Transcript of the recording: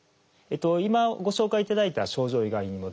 今ご紹介いただいた症状以外にもですね